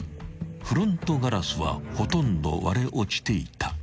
フロントガラスはほとんど割れ落ちていた］